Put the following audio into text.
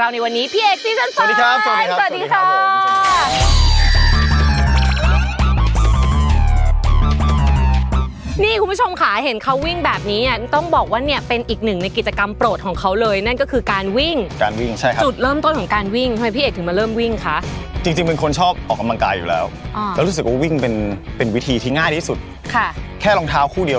เอางี้ดีกว่าวิ่งเหนื่อยไหมอ่ะวิ่งแบบเนี้ย